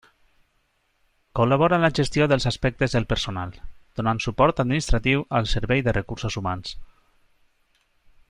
Col·labora en la gestió dels aspectes del personal, donant suport administratiu al Servei de Recursos Humans.